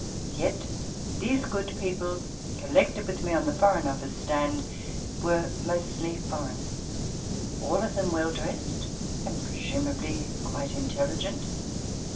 Yet these good people collected with me on the Foreign Office stand were mostly foreign, all of them well dressed, and presumably quite intelligent.